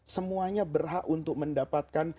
semuanya berhak untuk mendapatkan